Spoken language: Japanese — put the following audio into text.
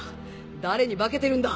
誰に化けてるんだ！